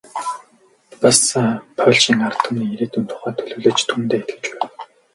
Бас польшийн ард түмний ирээдүйн тухай төлөвлөж, түүндээ итгэж байв.